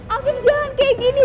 alvif jangan kayak gini